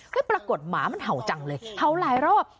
ก็ปรากฏหมามันเห่าจังเลยเห่าหลายรอบ